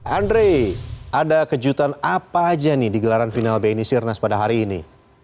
andre ada kejutan apa saja di gelaran final bnc rennes pada hari ini